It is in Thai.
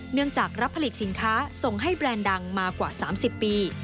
เนื่องจากรับผลิตสินค้าส่งให้แบรนด์ดังมากว่า๓๐ปี